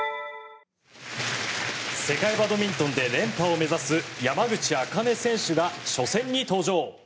世界バドミントンで連覇を目指す山口茜選手が初戦に登場。